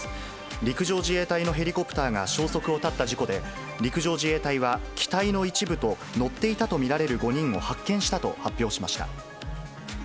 陸上自衛隊のヘリコプターが消息を絶った事故で、陸上自衛隊は、機体の一部と乗っていたと見られる５人を発見したと発表しました。